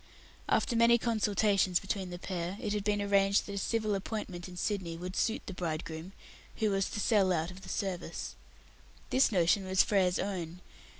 After many consultations between the pair, it had been arranged that a civil appointment in Sydney would best suit the bridegroom, who was to sell out of the service. This notion was Frere's own.